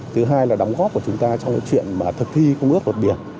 thứ hai là đóng góp của chúng ta trong chuyện thực thi công ước luật biển